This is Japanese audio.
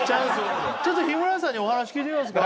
ちょっとヒムラヤさんにお話聞いてみますか